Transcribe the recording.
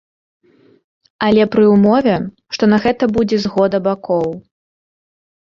Але пры ўмове, што на гэта будзе згода бакоў.